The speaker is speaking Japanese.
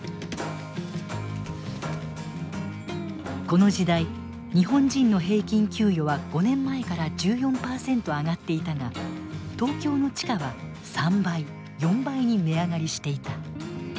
この時代日本人の平均給与は５年前から１４％上がっていたが東京の地価は３倍４倍に値上がりしていた。